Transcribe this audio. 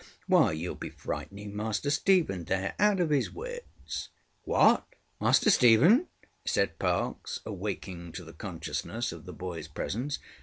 Why, youŌĆÖll be frightening Master Stephen there out of his wits. ŌĆØ ŌĆ£What! Master Stephen? ŌĆØ said Parkes, awaking to the consciousness of the boyŌĆÖs presence.